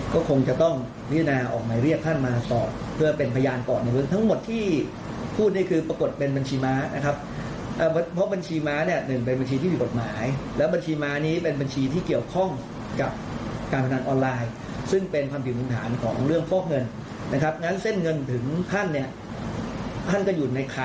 ของเรื่องพบเงินนะครับงั้นเส้นเงินถึงท่านเนี่ยท่านก็จะอยู่ในข่าย